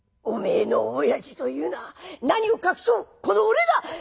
おめえの親父というのは何を隠そうこの俺だ！」。